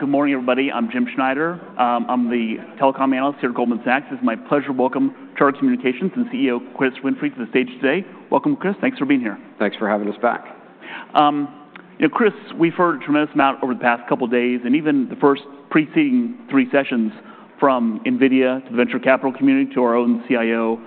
Good morning, everybody. I'm Jim Schneider. I'm the telecom analyst here at Goldman Sachs. It's my pleasure to welcome Charter Communications and CEO, Chris Winfrey, to the stage today. Welcome, Chris. Thanks for being here. Thanks for having us back. You know, Chris, we've heard a tremendous amount over the past couple of days, and even the first preceding three sessions, from NVIDIA to the venture capital community, to our own CIO,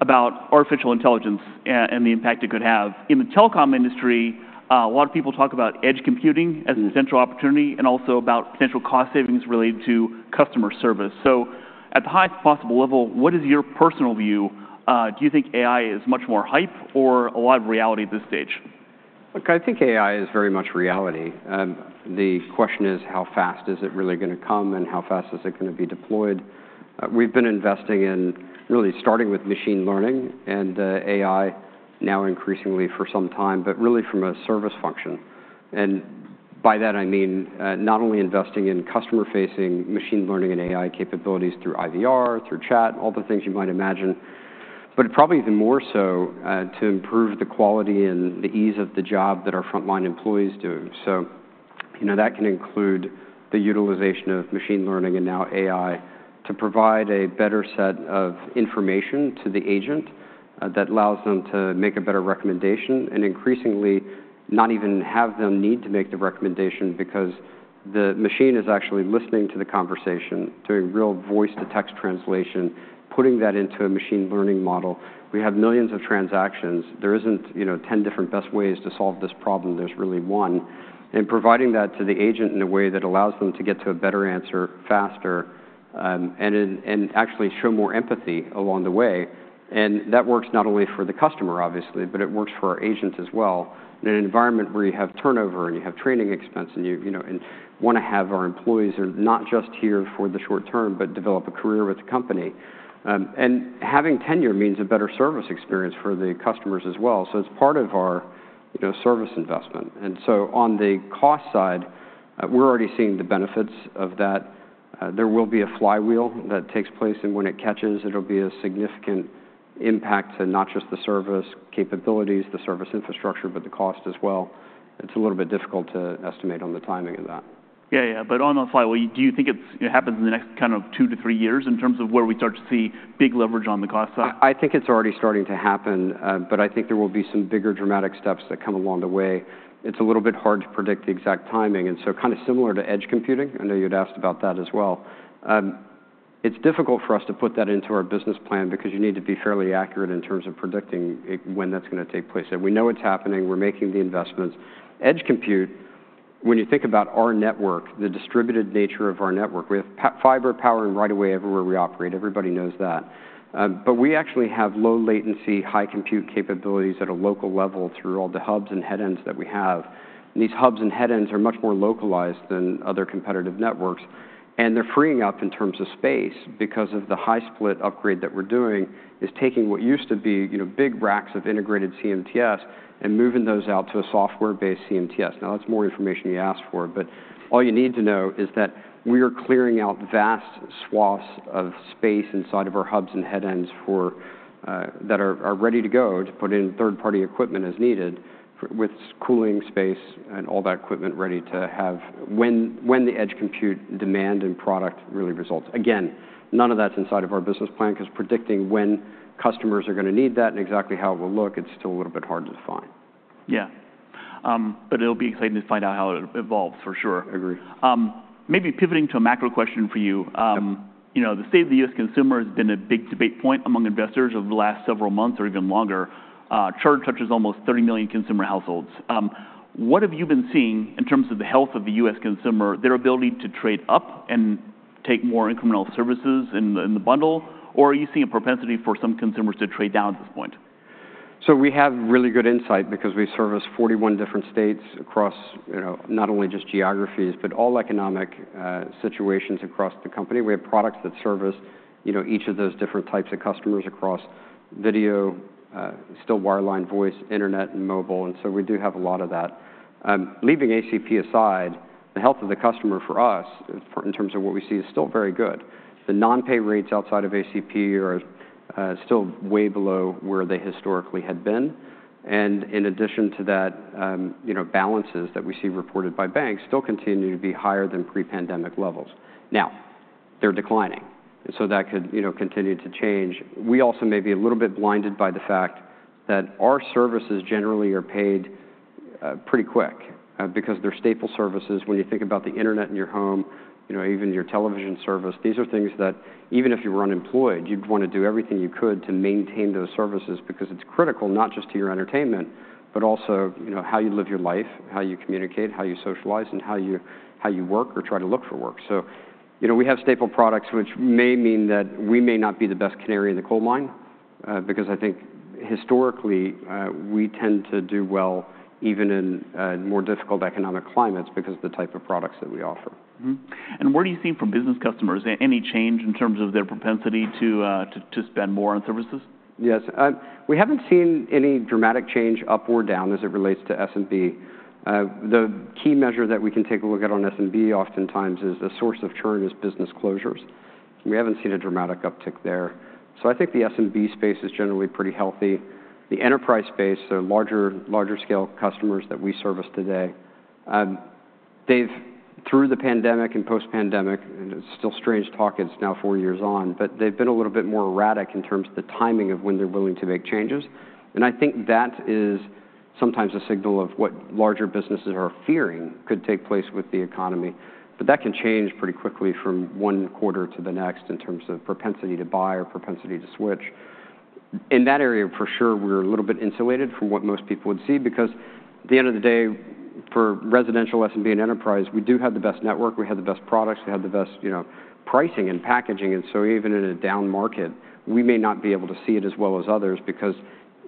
about artificial intelligence and the impact it could have. In the telecom industry, a lot of people talk about edge computing- Mm-hmm As a central opportunity, and also about potential cost savings related to customer service, so at the highest possible level, what is your personal view? Do you think AI is much more hype or a lot of reality at this stage? Look, I think AI is very much reality. The question is, how fast is it really gonna come, and how fast is it gonna be deployed? We've been investing in really starting with machine learning and AI now increasingly for some time, but really from a service function. And by that, I mean, not only investing in customer-facing machine learning and AI capabilities through IVR, through chat, all the things you might imagine, but probably even more so to improve the quality and the ease of the job that our frontline employees do. So, you know, that can include the utilization of machine learning and now AI to provide a better set of information to the agent, that allows them to make a better recommendation, and increasingly, not even have them need to make the recommendation because the machine is actually listening to the conversation, doing real voice-to-text translation, putting that into a machine learning model. We have millions of transactions. There isn't, you know, ten different best ways to solve this problem. There's really one. And providing that to the agent in a way that allows them to get to a better answer faster, and actually show more empathy along the way, and that works not only for the customer, obviously, but it works for our agents as well. In an environment where you have turnover, and you have training expenses, and you know, and want to have our employees are not just here for the short term, but develop a career with the company, and having tenure means a better service experience for the customers as well, so it's part of our, you know, service investment, and so on the cost side, we're already seeing the benefits of that. There will be a flywheel that takes place, and when it catches, it'll be a significant impact to not just the service capabilities, the service infrastructure, but the cost as well. It's a little bit difficult to estimate on the timing of that. Yeah, yeah. But on the flywheel, do you think it happens in the next kind of two to three years in terms of where we start to see big leverage on the cost side? I think it's already starting to happen, but I think there will be some bigger, dramatic steps that come along the way. It's a little bit hard to predict the exact timing, and so kind of similar to edge computing, I know you'd asked about that as well. It's difficult for us to put that into our business plan because you need to be fairly accurate in terms of predicting it, when that's gonna take place. And we know it's happening. We're making the investments. Edge compute, when you think about our network, the distributed nature of our network, we have fiber, power, and right of way everywhere we operate. Everybody knows that. But we actually have low latency, high compute capabilities at a local level through all the hubs and headends that we have. These hubs and headends are much more localized than other competitive networks, and they're freeing up in terms of space because of the high split upgrade that we're doing, is taking what used to be, you know, big racks of integrated CMTS and moving those out to a software-based CMTS. Now, that's more information you asked for, but all you need to know is that we are clearing out vast swaths of space inside of our hubs and headends for that are ready to go to put in third-party equipment as needed, with cooling space and all that equipment ready to have when the edge computing demand and product really results. Again, none of that's inside of our business plan 'cause predicting when customers are gonna need that and exactly how it will look, it's still a little bit hard to define. Yeah, but it'll be exciting to find out how it evolves, for sure. Agree. Maybe pivoting to a macro question for you. Yep. You know, the state of the U.S. consumer has been a big debate point among investors over the last several months or even longer. Charter touches almost thirty million consumer households. What have you been seeing in terms of the health of the U.S. consumer, their ability to trade up and take more incremental services in the bundle? Or are you seeing a propensity for some consumers to trade down at this point? So we have really good insight because we service 41 different states across, you know, not only just geographies, but all economic situations across the company. We have products that service, you know, each of those different types of customers across video, still wireline voice, internet, and mobile, and so we do have a lot of that. Leaving ACP aside, the health of the customer for us, in terms of what we see, is still very good. The non-pay rates outside of ACP are still way below where they historically had been. And in addition to that, you know, balances that we see reported by banks still continue to be higher than pre-pandemic levels. Now, they're declining, and so that could, you know, continue to change. We also may be a little bit blinded by the fact that our services generally are paid pretty quick because they're staple services. When you think about the internet in your home, you know, even your television service, these are things that even if you were unemployed, you'd want to do everything you could to maintain those services because it's critical not just to your entertainment, but also, you know, how you live your life, how you communicate, how you socialize, and how you, how you work or try to look for work. So, you know, we have staple products, which may mean that we may not be the best canary in the coal mine because I think historically we tend to do well even in more difficult economic climates because of the type of products that we offer. Mm-hmm. And what do you see from business customers? Any change in terms of their propensity to spend more on services? Yes. We haven't seen any dramatic change up or down as it relates to SMB. The key measure that we can take a look at on SMB oftentimes is the source of churn is business closures. We haven't seen a dramatic uptick there, so I think the SMB space is generally pretty healthy. The enterprise space, the larger scale customers that we service today, they've, through the pandemic and post-pandemic, and it's still strange talk, it's now four years on, but they've been a little bit more erratic in terms of the timing of when they're willing to make changes, and I think that is sometimes a signal of what larger businesses are fearing could take place with the economy, but that can change pretty quickly from one quarter to the next, in terms of propensity to buy or propensity to switch. In that area, for sure, we're a little bit insulated from what most people would see, because at the end of the day, for residential SMB and enterprise, we do have the best network, we have the best products, we have the best, you know, pricing and packaging, and so even in a down market, we may not be able to see it as well as others, because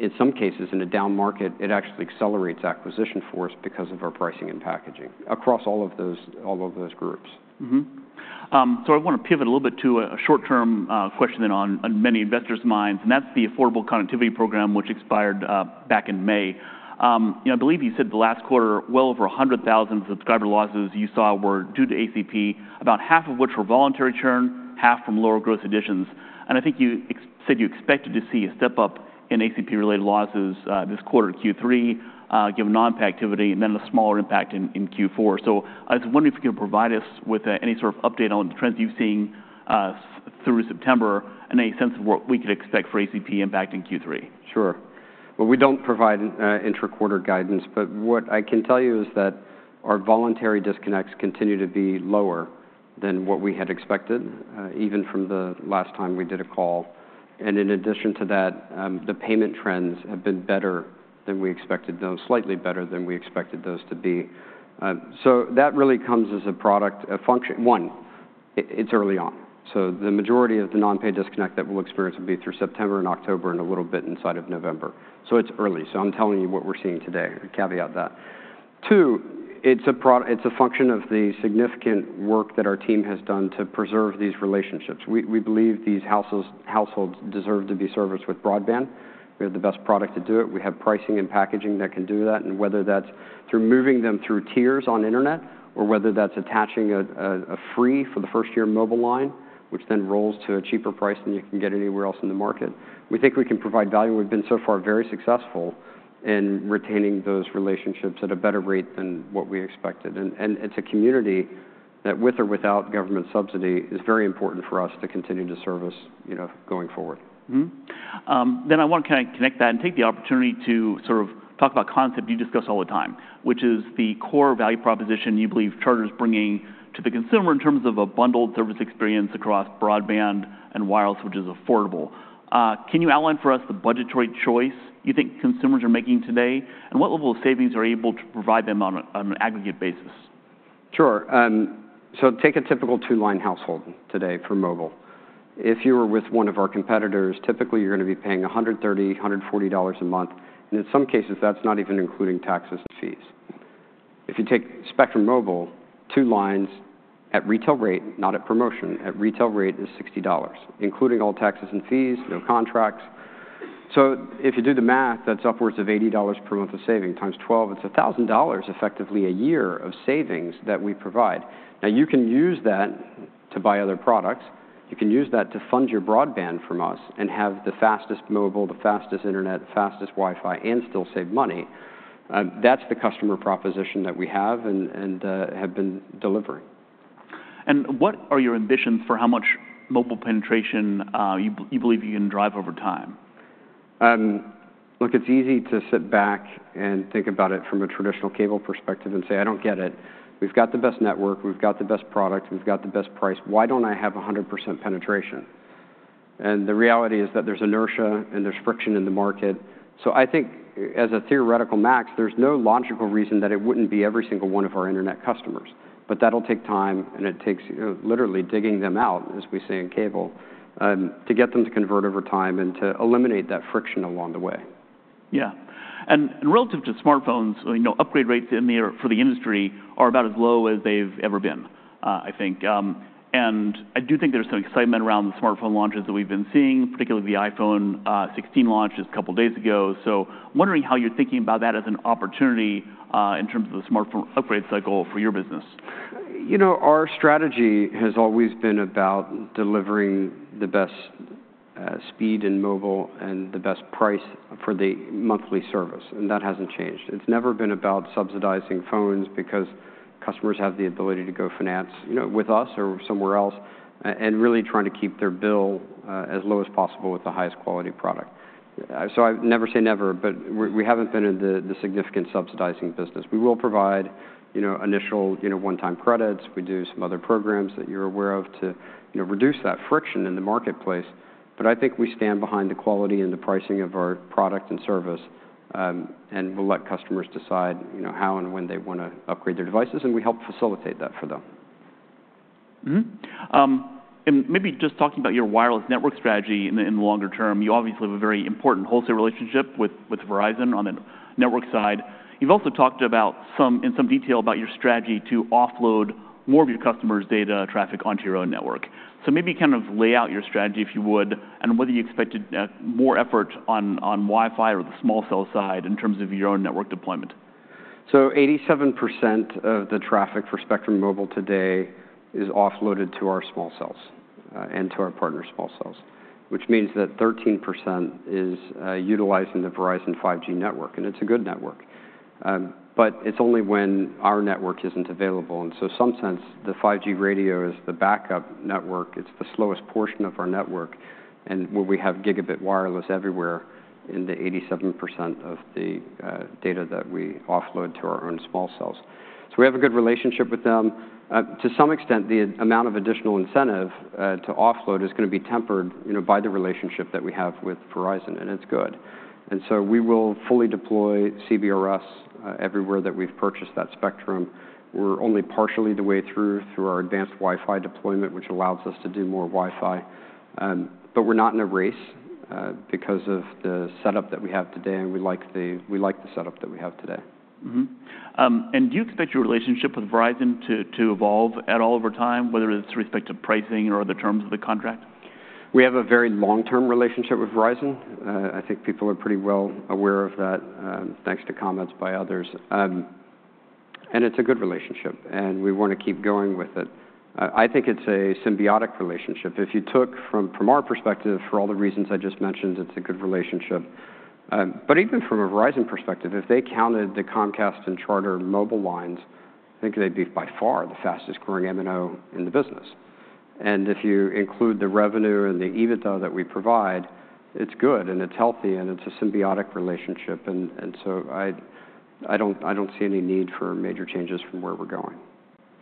in some cases, in a down market, it actually accelerates acquisition force because of our pricing and packaging across all of those, all of those groups. Mm-hmm. So I want to pivot a little bit to a short-term question then on many investors' minds, and that's the Affordable Connectivity Program, which expired back in May. You know, I believe you said the last quarter, well over a hundred thousand subscriber losses you saw were due to ACP, about half of which were voluntary churn, half from lower growth additions. And I think you said you expected to see a step-up in ACP-related losses this quarter, Q3, given non-pay activity, and then a smaller impact in Q4. So I was wondering if you could provide us with any sort of update on the trends you've seen through September, and any sense of what we could expect for ACP impact in Q3? Sure. Well, we don't provide intra-quarter guidance, but what I can tell you is that our voluntary disconnects continue to be lower than what we had expected even from the last time we did a call. And in addition to that, the payment trends have been better than we expected those, slightly better than we expected those to be. So that really comes as a product, a function. One, it's early on, so the majority of the non-pay disconnect that we'll experience will be through September and October and a little bit inside of November. So it's early. So I'm telling you what we're seeing today. I caveat that. Two, it's a function of the significant work that our team has done to preserve these relationships. We believe these households deserve to be serviced with broadband. We have the best product to do it. We have pricing and packaging that can do that, and whether that's through moving them through tiers on internet or whether that's attaching a free for the first-year mobile line, which then rolls to a cheaper price than you can get anywhere else in the market. We think we can provide value. We've been, so far, very successful in retaining those relationships at a better rate than what we expected, and it's a community that, with or without government subsidy, is very important for us to continue to service, you know, going forward. Mm-hmm. Then I want to kind of connect that and take the opportunity to sort of talk about a concept you discuss all the time, which is the core value proposition you believe Charter is bringing to the consumer in terms of a bundled service experience across broadband and wireless, which is affordable. Can you outline for us the budgetary choice you think consumers are making today, and what level of savings are you able to provide them on an aggregate basis? Sure, so take a typical two-line household today for mobile. If you were with one of our competitors, typically, you're gonna be paying $130-$140 a month, and in some cases, that's not even including taxes and fees. If you take Spectrum Mobile, two lines at retail rate, not at promotion, at retail rate is $60, including all taxes and fees, no contracts. So if you do the math, that's upwards of $80 per month of saving. Times twelve, it's $1,000 effectively a year of savings that we provide. Now, you can use that to buy other products. You can use that to fund your broadband from us and have the fastest mobile, the fastest internet, the fastest Wi-Fi, and still save money. That's the customer proposition that we have and have been delivering. What are your ambitions for how much mobile penetration you believe you can drive over time? Look, it's easy to sit back and think about it from a traditional cable perspective and say, "I don't get it. We've got the best network, we've got the best products, we've got the best price. Why don't I have 100% penetration?" and the reality is that there's inertia and there's friction in the market, so I think as a theoretical max, there's no logical reason that it wouldn't be every single one of our internet customers, but that'll take time, and it takes, you know, literally digging them out, as we say in cable, to get them to convert over time and to eliminate that friction along the way. Yeah. And relative to smartphones, you know, upgrade rates in the year for the industry are about as low as they've ever been, I think. And I do think there's some excitement around the smartphone launches that we've been seeing, particularly the iPhone 16 launch just a couple of days ago. So wondering how you're thinking about that as an opportunity, in terms of the smartphone upgrade cycle for your business. You know, our strategy has always been about delivering the best, speed in mobile and the best price for the monthly service, and that hasn't changed. It's never been about subsidizing phones, because customers have the ability to go finance, you know, with us or somewhere else, and really trying to keep their bill, as low as possible with the highest quality product. So I never say never, but we haven't been in the significant subsidizing business. We will provide, you know, initial, you know, one-time credits. We do some other programs that you're aware of to, you know, reduce that friction in the marketplace. But I think we stand behind the quality and the pricing of our product and service, and we'll let customers decide, you know, how and when they wanna upgrade their devices, and we help facilitate that for them. Mm-hmm. And maybe just talking about your wireless network strategy in the longer term, you obviously have a very important wholesale relationship with Verizon on the network side. You've also talked about some in some detail about your strategy to offload more of your customers' data traffic onto your own network. So maybe kind of lay out your strategy, if you would, and whether you expect to more effort on Wi-Fi or the small cell side in terms of your own network deployment. So 87% of the traffic for Spectrum Mobile today is offloaded to our small cells, and to our partner small cells, which means that 13% is utilizing the Verizon 5G network, and it's a good network. But it's only when our network isn't available, and so some sense, the 5G radio is the backup network. It's the slowest portion of our network, and where we have gigabit wireless everywhere in the 87% of the data that we offload to our own small cells. So we have a good relationship with them. To some extent, the amount of additional incentive to offload is gonna be tempered, you know, by the relationship that we have with Verizon, and it's good. And so we will fully deploy CBRS everywhere that we've purchased that spectrum. We're only partially the way through our advanced Wi-Fi deployment, which allows us to do more Wi-Fi. But we're not in a race because of the setup that we have today, and we like the setup that we have today. Mm-hmm, and do you expect your relationship with Verizon to evolve at all over time, whether it's with respect to pricing or other terms of the contract? We have a very long-term relationship with Verizon. I think people are pretty well aware of that, thanks to comments by others. And it's a good relationship, and we want to keep going with it. I think it's a symbiotic relationship. If you took from our perspective, for all the reasons I just mentioned, it's a good relationship. But even from a Verizon perspective, if they counted the Comcast and Charter mobile lines, I think they'd be by far the fastest-growing MNO in the business. And if you include the revenue and the EBITDA that we provide, it's good, and it's healthy, and it's a symbiotic relationship. And so I don't see any need for major changes from where we're going.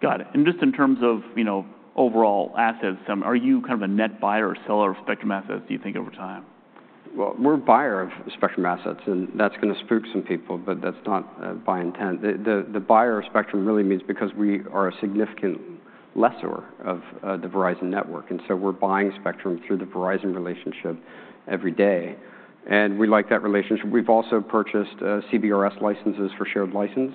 Got it, and just in terms of, you know, overall assets, are you kind of a net buyer or seller of spectrum assets, do you think, over time? We're a buyer of spectrum assets, and that's gonna spook some people, but that's not by intent. The buyer of spectrum really means because we are a significant lessee of the Verizon network, and so we're buying spectrum through the Verizon relationship every day, and we like that relationship. We've also purchased CBRS licenses for shared license.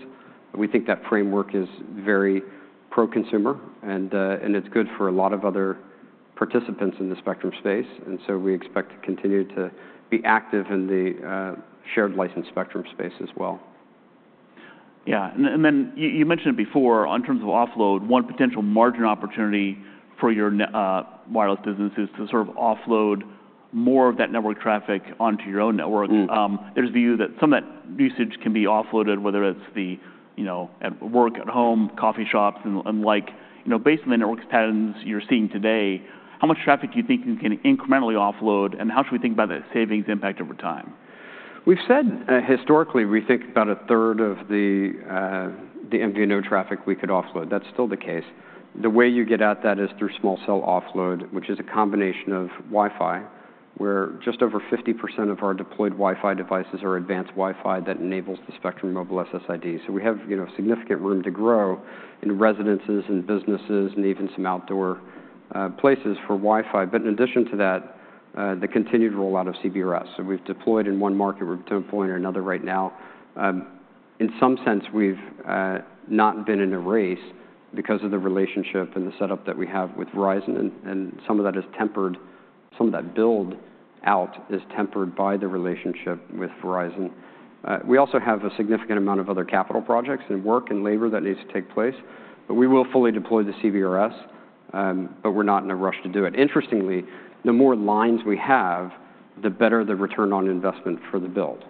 We think that framework is very pro-consumer, and it's good for a lot of other participants in the spectrum space, and so we expect to continue to be active in the shared license spectrum space as well. Yeah, and then you mentioned it before, in terms of offload, one potential margin opportunity for your wireless business is to sort of offload more of that network traffic onto your own network. Mm. There's a view that some of that usage can be offloaded, whether it's the, you know, at work, at home, coffee shops, and like, you know, based on the network's patterns you're seeing today, how much traffic do you think you can incrementally offload, and how should we think about the savings impact over time? We've said historically, we think about a third of the the MVNO traffic we could offload. That's still the case. The way you get at that is through small cell offload, which is a combination of Wi-Fi, where just over 50% of our deployed Wi-Fi devices are advanced Wi-Fi that enables the Spectrum Mobile SSID. So we have, you know, significant room to grow in residences and businesses and even some outdoor places for Wi-Fi. But in addition to that, the continued rollout of CBRS. So we've deployed in one market. We're deploying in another right now. In some sense, we've not been in a race because of the relationship and the setup that we have with Verizon, and some of that is tempered. Some of that build-out is tempered by the relationship with Verizon. We also have a significant amount of other capital projects and work and labor that needs to take place, but we will fully deploy the CBRS, but we're not in a rush to do it. Interestingly, the more lines we have, the better the return on investment for the build.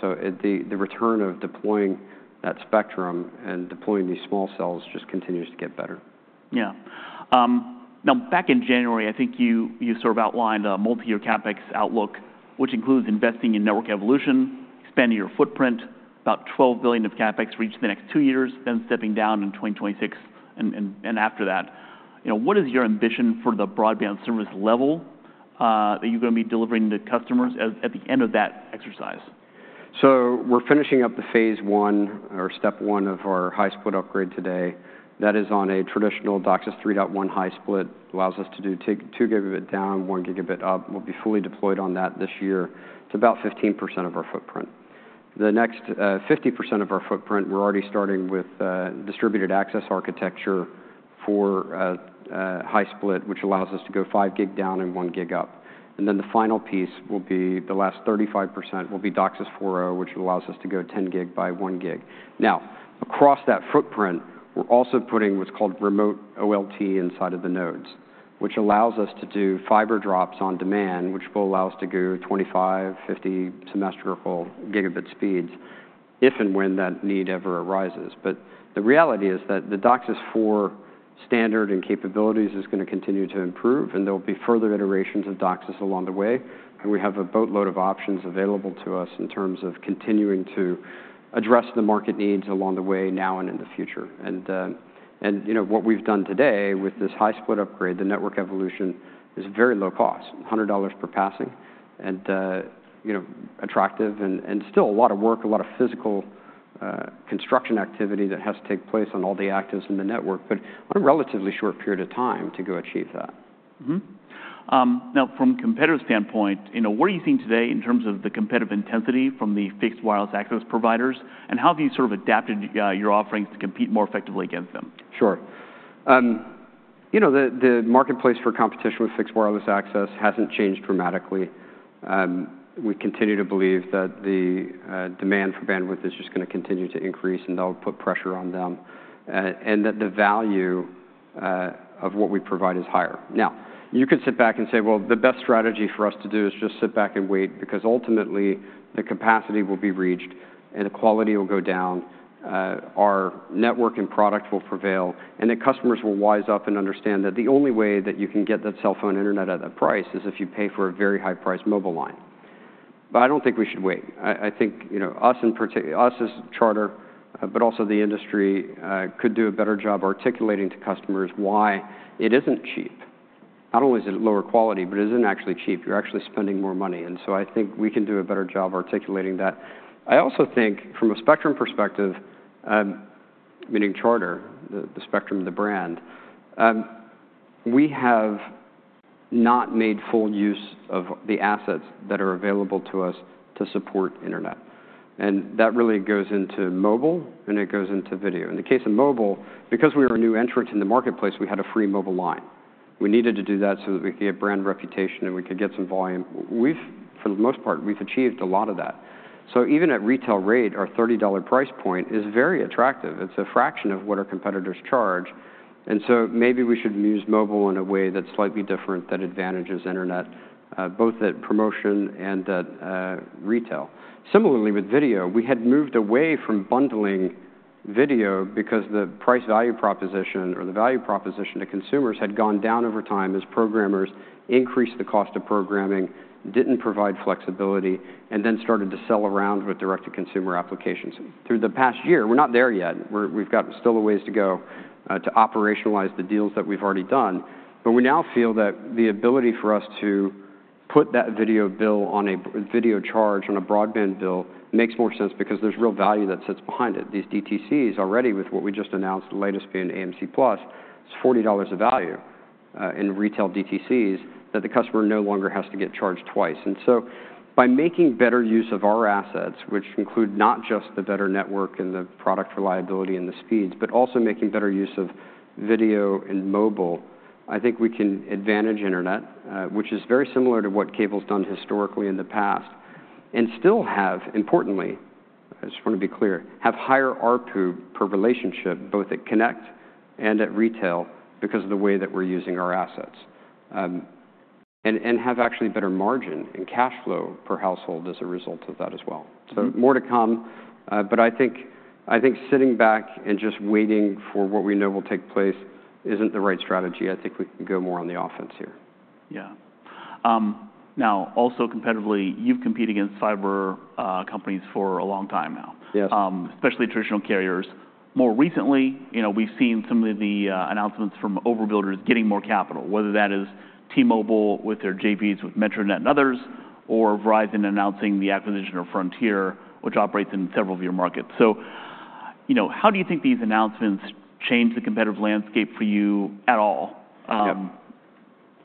So at the return of deploying that spectrum and deploying these small cells just continues to get better. Yeah. Now, back in January, I think you sort of outlined a multiyear CapEx outlook, which includes investing in network evolution, expanding your footprint, about 12 billion of CapEx over the next two years, then stepping down in 2026 and after that. You know, what is your ambition for the broadband service level that you're gonna be delivering to customers at the end of that exercise? So we're finishing up the phase one or step one of our high-split upgrade today. That is on a traditional DOCSIS 3.1 high split, allows us to do take two gigabit down, one gigabit up. We'll be fully deployed on that this year. It's about 15% of our footprint. The next, fifty percent of our footprint, we're already starting with, distributed access architecture for, high split, which allows us to go five gig down and one gig up. And then the final piece will be, the last 35%, will be DOCSIS 4.0, which allows us to go ten gig by one gig. Now, across that footprint, we're also putting what's called remote OLT inside of the nodes, which allows us to do fiber drops on demand, which will allow us to go 25- and 50-gigabit symmetrical speeds, if and when that need ever arises. But the reality is that the DOCSIS 4.0 standard and capabilities is gonna continue to improve, and there will be further iterations of DOCSIS along the way, and we have a boatload of options available to us in terms of continuing to address the market needs along the way, now and in the future. You know, what we've done today with this high-split upgrade, the network evolution, is very low cost, $100 per passing. And you know, attractive and still a lot of work, a lot of physical construction activity that has to take place on all the actives in the network, but on a relatively short period of time to go achieve that. Mm-hmm. Now from a competitor standpoint, you know, what are you seeing today in terms of the competitive intensity from the Fixed Wireless Access providers, and how have you sort of adapted your offerings to compete more effectively against them? Sure. You know, the marketplace for competition with fixed wireless access hasn't changed dramatically. We continue to believe that the demand for bandwidth is just gonna continue to increase, and that'll put pressure on them, and that the value of what we provide is higher. Now, you could sit back and say, "Well, the best strategy for us to do is just sit back and wait, because ultimately, the capacity will be reached, and the quality will go down. Our network and product will prevail, and the customers will wise up and understand that the only way that you can get that cellphone internet at that price is if you pay for a very high-priced mobile line." But I don't think we should wait. I think, you know, us as Charter, but also the industry, could do a better job articulating to customers why it isn't cheap. Not only is it lower quality, but it isn't actually cheap. You're actually spending more money, and so I think we can do a better job articulating that. I also think from a Spectrum perspective, meaning Charter, the Spectrum, the brand, we have not made full use of the assets that are available to us to support internet, and that really goes into mobile, and it goes into video. In the case of mobile, because we were a new entrant in the marketplace, we had a free mobile line. We needed to do that so that we could get brand reputation, and we could get some volume. For the most part, we've achieved a lot of that. So even at retail rate, our $30 price point is very attractive. It's a fraction of what our competitors charge, and so maybe we should use mobile in a way that's slightly different that advantages internet, both at promotion and at retail. Similarly, with video, we had moved away from bundling video because the price-value proposition or the value proposition to consumers had gone down over time as programmers increased the cost of programming, didn't provide flexibility, and then started to sell around us with direct-to-consumer applications. Over the past year, we're not there yet. We've got still a ways to go to operationalize the deals that we've already done. But we now feel that the ability for us to put that video charge on a broadband bill makes more sense because there's real value that sits behind it. These DTCs already, with what we just announced, the latest being AMC+, is $40 of value in retail DTCs, that the customer no longer has to get charged twice. And so by making better use of our assets, which include not just the better network and the product reliability and the speeds, but also making better use of video and mobile, I think we can advantage internet, which is very similar to what cable's done historically in the past, and still have, importantly, I just wanna be clear, have higher ARPU per relationship, both at Connect and at retail, because of the way that we're using our assets. And have actually better margin and cash flow per household as a result of that as well. So more to come, but I think, I think sitting back and just waiting for what we know will take place isn't the right strategy. I think we can go more on the offense here. Yeah. Now, also competitively, you've competed against fiber companies for a long time now. Yes. Especially traditional carriers. More recently, you know, we've seen some of the announcements from overbuilders getting more capital, whether that is T-Mobile with their JVs, with MetroNet and others, or Verizon announcing the acquisition of Frontier, which operates in several of your markets. So, you know, how do you think these announcements change the competitive landscape for you at all? Yep.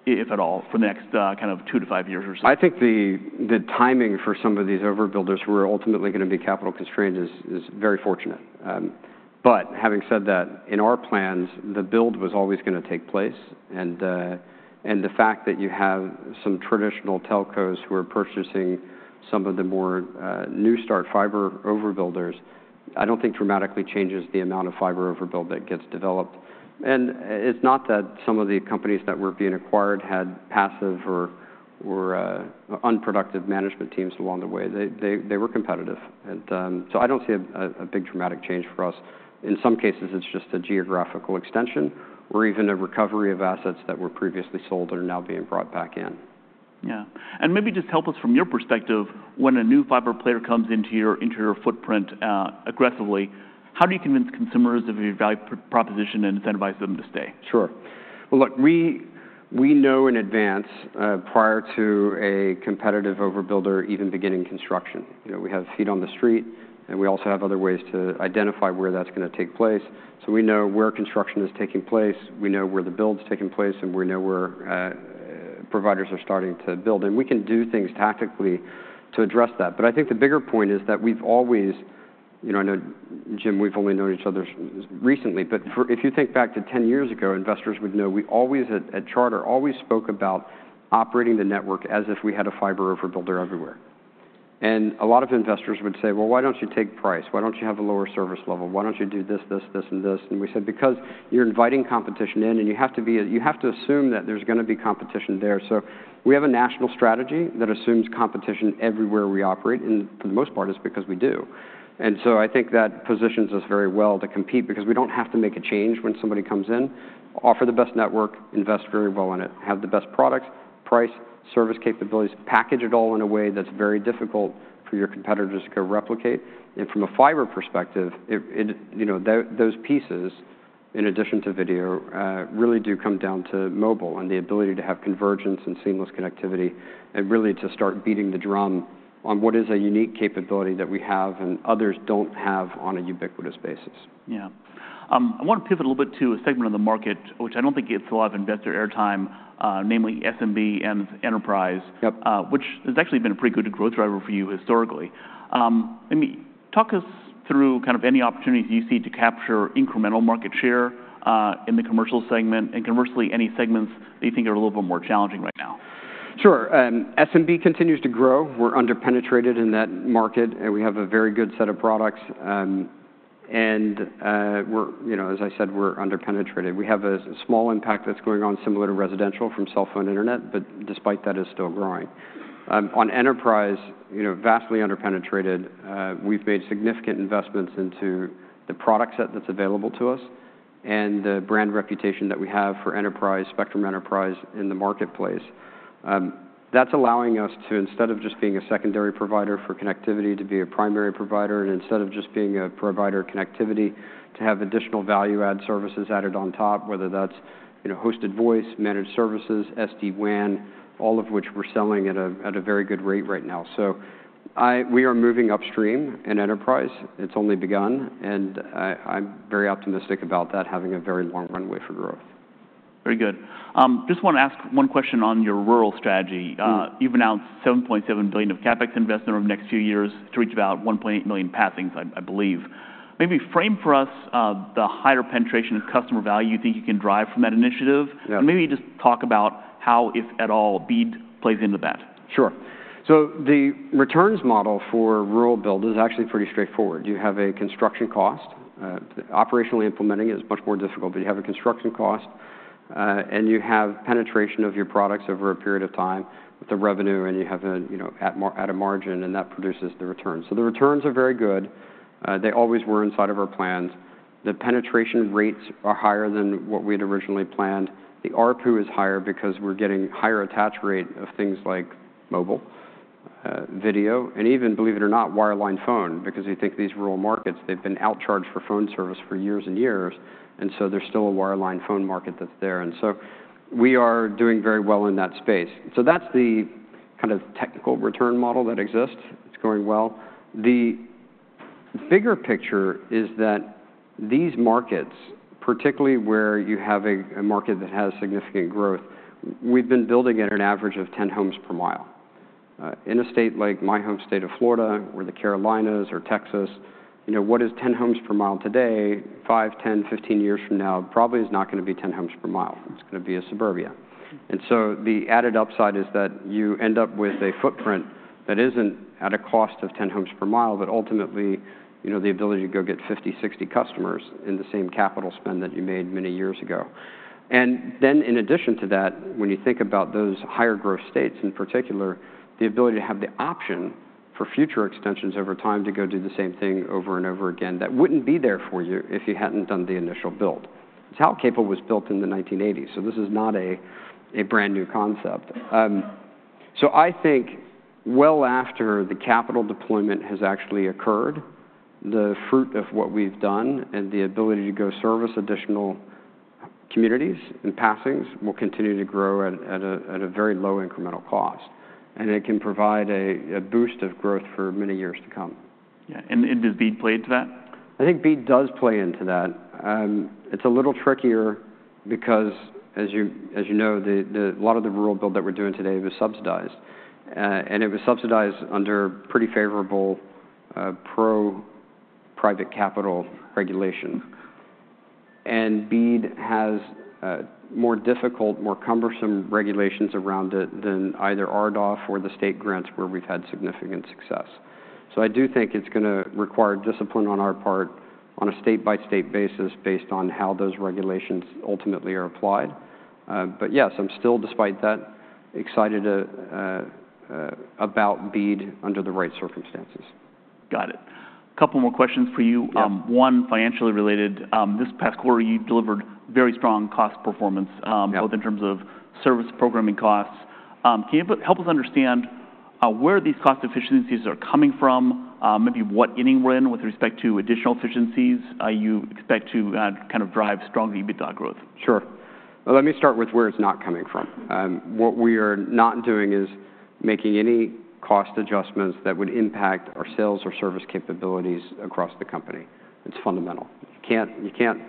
If at all, for the next kind of two to five years or so? I think the timing for some of these overbuilders who are ultimately gonna be capital-constrained is very fortunate. But having said that, in our plans, the build was always gonna take place, and the fact that you have some traditional telcos who are purchasing some of the more new start fiber overbuilders, I don't think dramatically changes the amount of fiber overbuild that gets developed. And it's not that some of the companies that were being acquired had passive or unproductive management teams along the way. They were competitive. And so I don't see a big dramatic change for us. In some cases, it's just a geographical extension or even a recovery of assets that were previously sold and are now being brought back in. Yeah, and maybe just help us from your perspective, when a new fiber player comes into your footprint aggressively, how do you convince consumers of your value proposition and incentivize them to stay? Sure. Well, look, we know in advance, prior to a competitive overbuilder even beginning construction. You know, we have feet on the street, and we also have other ways to identify where that's gonna take place. So we know where construction is taking place, we know where the build's taking place, and we know where providers are starting to build, and we can do things tactically to address that. But I think the bigger point is that we've always... You know, I know, Jim, we've only known each other recently, but if you think back to ten years ago, investors would know we always, at Charter, always spoke about operating the network as if we had a fiber overbuilder everywhere. And a lot of investors would say, "Well, why don't you take price? Why don't you have a lower service level? Why don't you do this, this, this, and this?" And we said, "Because you're inviting competition in, and you have to be... You have to assume that there's gonna be competition there." So we have a national strategy that assumes competition everywhere we operate, and for the most part, it's because we do. And so I think that positions us very well to compete because we don't have to make a change when somebody comes in. Offer the best network, invest very well in it, have the best products, price, service capabilities, package it all in a way that's very difficult for your competitors to go replicate. From a fiber perspective, it you know those pieces, in addition to video, really do come down to mobile and the ability to have convergence and seamless connectivity, and really to start beating the drum on what is a unique capability that we have and others don't have on a ubiquitous basis. Yeah. I wanna pivot a little bit to a segment of the market, which I don't think gets a lot of investor airtime, namely SMB and enterprise- Yep which has actually been a pretty good growth driver for you historically. I mean, talk us through kind of any opportunities you see to capture incremental market share, in the commercial segment and, commercially, any segments that you think are a little bit more challenging right now. Sure. SMB continues to grow. We're under-penetrated in that market, and we have a very good set of products. You know, as I said, we're under-penetrated. We have a small impact that's going on, similar to residential, from cell phone internet, but despite that, it's still growing. On enterprise, you know, vastly under-penetrated. We've made significant investments into the product set that's available to us and the brand reputation that we have for enterprise, Spectrum Enterprise, in the marketplace. That's allowing us to, instead of just being a secondary provider for connectivity, to be a primary provider, and instead of just being a provider of connectivity, to have additional value-add services added on top, whether that's, you know, hosted voice, managed services, SD-WAN, all of which we're selling at a very good rate right now. So we are moving upstream in enterprise. It's only begun, and I'm very optimistic about that having a very long runway for growth. Very good. Just want to ask one question on your rural strategy. Mm-hmm. You've announced $7.7 billion of CapEx investment over the next few years to reach about 1.8 million passings, I believe. Maybe frame for us the higher penetration and customer value you think you can drive from that initiative. Yeah. Maybe just talk about how, if at all, BEAD plays into that. Sure. So the returns model for rural build is actually pretty straightforward. You have a construction cost. Operationally implementing it is much more difficult, but you have a construction cost, and you have penetration of your products over a period of time with the revenue, and you have a, you know, at a margin, and that produces the return. So the returns are very good. They always were inside of our plans. The penetration rates are higher than what we'd originally planned. The ARPU is higher because we're getting higher attach rate of things like mobile, video, and even, believe it or not, wireline phone. Because you think these rural markets, they've been overcharged for phone service for years and years, and so there's still a wireline phone market that's there, and so we are doing very well in that space. So that's the kind of technical return model that exists. It's going well. The bigger picture is that these markets, particularly where you have a market that has significant growth, we've been building at an average of ten homes per mile. In a state like my home state of Florida or the Carolinas or Texas, you know, what is ten homes per mile today, five, ten, fifteen years from now probably is not gonna be ten homes per mile. It's gonna be a suburbia. And so the added upside is that you end up with a footprint that isn't at a cost of ten homes per mile, but ultimately, you know, the ability to go get fifty, sixty customers in the same capital spend that you made many years ago. And then, in addition to that, when you think about those higher growth states, in particular, the ability to have the option for future extensions over time to go do the same thing over and over again, that wouldn't be there for you if you hadn't done the initial build. It's how cable was built in the 1980s, so this is not a brand-new concept. So I think well after the capital deployment has actually occurred, the fruit of what we've done and the ability to go service additional communities and passings will continue to grow at a very low incremental cost, and it can provide a boost of growth for many years to come. Yeah, and does BEAD play into that? I think BEAD does play into that. It's a little trickier because, as you know, a lot of the rural build that we're doing today was subsidized, and it was subsidized under pretty favorable pro-private capital regulation, and BEAD has more difficult, more cumbersome regulations around it than either RDOF or the state grants, where we've had significant success, so I do think it's gonna require discipline on our part on a state-by-state basis, based on how those regulations ultimately are applied, but yes, I'm still, despite that, excited about BEAD under the right circumstances. Got it. Couple more questions for you. Yes. One financially related. This past quarter, you delivered very strong cost performance- Yeah... both in terms of service programming costs. Can you help us understand where these cost efficiencies are coming from, maybe what inning we're in with respect to additional efficiencies you expect to kind of drive strong EBITDA growth? Sure. Let me start with where it's not coming from. What we are not doing is making any cost adjustments that would impact our sales or service capabilities across the company. It's fundamental. You can't, you can't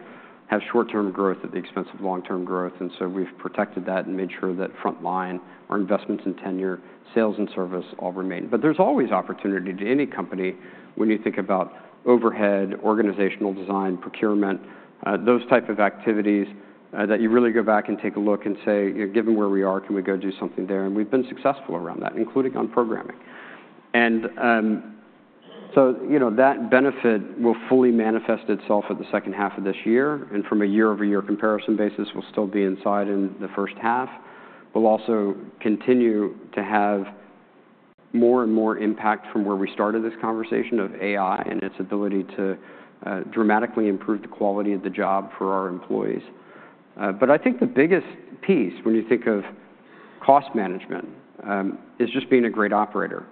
have short-term growth at the expense of long-term growth, and so we've protected that and made sure that frontline, our investments in tenure, sales, and service all remain. But there's always opportunity to any company when you think about overhead, organizational design, procurement, those type of activities, that you really go back and take a look and say, "You know, given where we are, can we go do something there?" And we've been successful around that, including on programming. And, so, you know, that benefit will fully manifest itself at the second half of this year, and from a year-over-year comparison basis, will still be inside in the first half. We'll also continue to have more and more impact from where we started this conversation of AI and its ability to dramatically improve the quality of the job for our employees, but I think the biggest piece when you think of cost management is just being a great operator.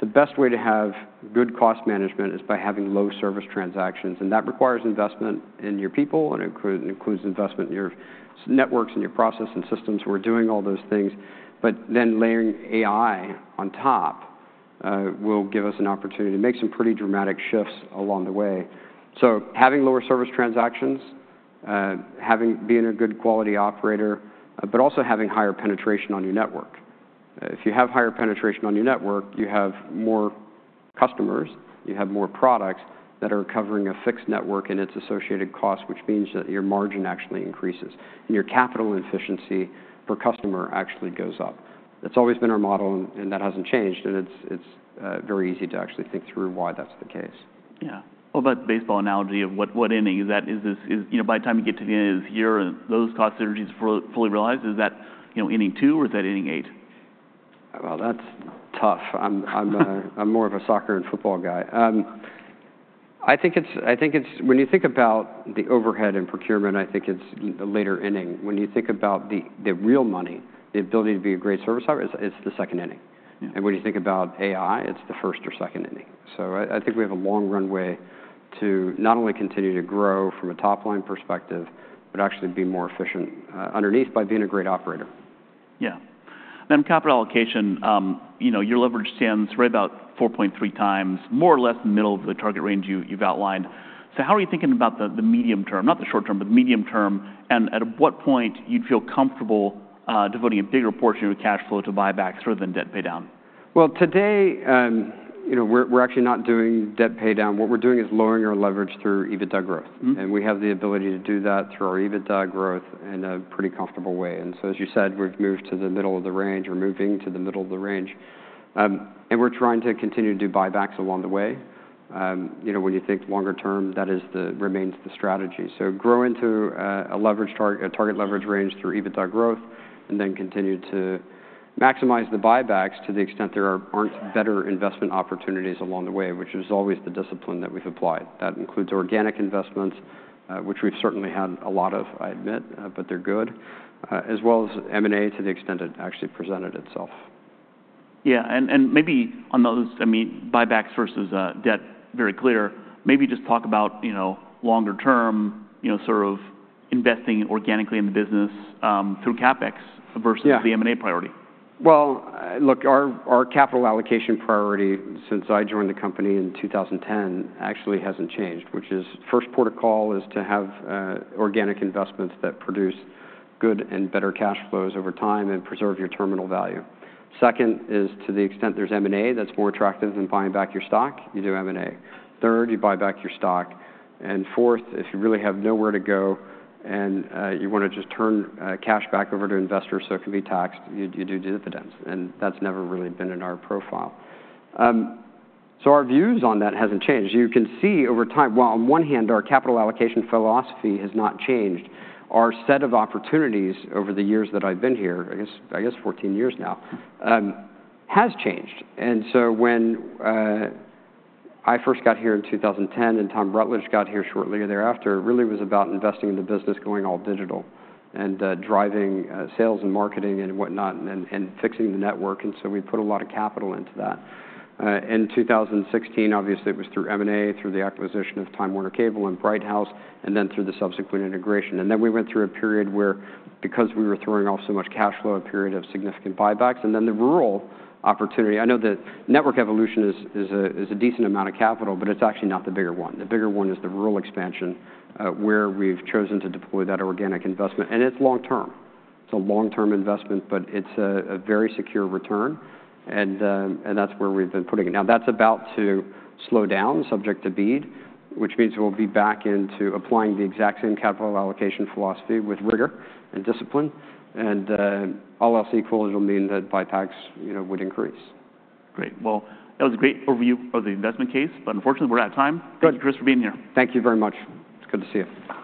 The best way to have good cost management is by having low service transactions, and that requires investment in your people, and it includes investment in your networks and your process and systems. We're doing all those things, but then layering AI on top will give us an opportunity to make some pretty dramatic shifts along the way. So, having lower service transactions, being a good quality operator, but also having higher penetration on your network. If you have higher penetration on your network, you have more customers, you have more products that are covering a fixed network and its associated costs, which means that your margin actually increases, and your capital efficiency per customer actually goes up. That's always been our model, and that hasn't changed, and it's very easy to actually think through why that's the case. Yeah. Well, that baseball analogy of what inning is that? Is this, you know, by the time you get to the end of this year, are those cost synergies fully realized? Is that, you know, inning two or is that inning eight? That's tough. I'm more of a soccer and football guy. I think it's when you think about the overhead and procurement, I think it's a later inning. When you think about the real money, the ability to be a great service provider, it's the second inning. Mm-hmm. And when you think about AI, it's the first or second inning. So I think we have a long runway to not only continue to grow from a top-line perspective, but actually be more efficient underneath by being a great operator. Yeah. Then capital allocation, you know, your leverage stands right about 4.3 times, more or less the middle of the target range you've outlined. So how are you thinking about the medium term? Not the short term, but the medium term, and at what point you'd feel comfortable devoting a bigger portion of the cash flow to buybacks rather than debt paydown? Today, you know, we're actually not doing debt paydown. What we're doing is lowering our leverage through EBITDA growth. Mm-hmm. And we have the ability to do that through our EBITDA growth in a pretty comfortable way. And so, as you said, we've moved to the middle of the range. We're moving to the middle of the range. And we're trying to continue to do buybacks along the way. You know, when you think longer term, that remains the strategy. So grow into a target leverage range through EBITDA growth, and then continue to maximize the buybacks to the extent there aren't better investment opportunities along the way, which is always the discipline that we've applied. That includes organic investments, which we've certainly had a lot of, I admit, but they're good, as well as M&A to the extent it actually presented itself. Yeah, and maybe on those, I mean, buybacks versus debt, very clear. Maybe just talk about, you know, longer term, you know, sort of investing organically in the business, through CapEx- Yeah versus the M&A priority. Look, our capital allocation priority since I joined the company in 2010 actually hasn't changed, which is first port of call is to have organic investments that produce good and better cash flows over time and preserve your terminal value. Second is, to the extent there's M&A that's more attractive than buying back your stock, you do M&A. Third, you buy back your stock, and fourth, if you really have nowhere to go and you wanna just turn cash back over to investors so it can be taxed, you do dividends, and that's never really been in our profile, so our views on that hasn't changed. You can see over time... On one hand, our capital allocation philosophy has not changed. Our set of opportunities over the years that I've been here, I guess fourteen years now, has changed. So when I first got here in 2010 and Tom Rutledge got here shortly thereafter, it really was about investing in the business, going all digital and driving sales and marketing and whatnot and fixing the network, and so we put a lot of capital into that. In 2016, obviously, it was through M&A, through the acquisition of Time Warner Cable and Bright House, and then through the subsequent integration. Then we went through a period where, because we were throwing off so much cash flow, a period of significant buybacks, and then the rural opportunity. I know that network evolution is a decent amount of capital, but it's actually not the bigger one. The bigger one is the rural expansion, where we've chosen to deploy that organic investment, and it's long term. It's a long-term investment, but it's a very secure return, and that's where we've been putting it. Now, that's about to slow down, subject to BEAD, which means we'll be back into applying the exact same capital allocation philosophy with rigor and discipline. All else equal, it'll mean that buybacks, you know, would increase. Great. Well, that was a great overview of the investment case, but unfortunately, we're out of time. Good. Thank you, Chris, for being here. Thank you very much. It's good to see you.